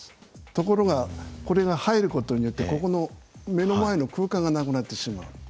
ところがこれが入ることによってここの目の前の空間がなくなってしまう。